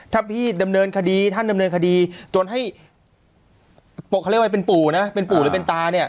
ถ้าพี่ดำเนินคดีท่านดำเนินคดีจนให้เขาเรียกว่าเป็นปู่นะเป็นปู่หรือเป็นตาเนี่ย